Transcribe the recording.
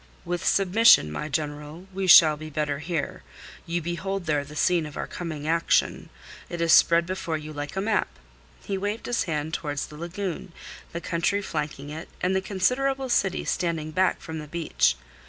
"With submission, my General, we shall be better here. You behold there the scene of our coming action. It is spread before you like a map." He waved his hand towards the lagoon, the country flanking it and the considerable city standing back from the beach.